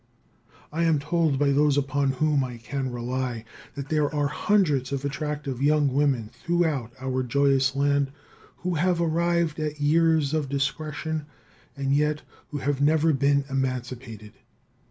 I am told by those upon whom I can rely that there are hundreds of attractive young women throughout our joyous land who have arrived at years of discretion and yet who have never been emancipated.